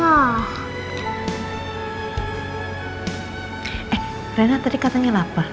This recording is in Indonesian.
eh renat tadi katanya lapar